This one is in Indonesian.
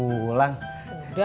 udah ngapain aja nanya